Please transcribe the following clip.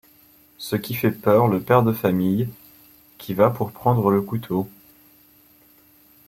Ce qui fait peur le père de famille, qui va pour prendre le couteau.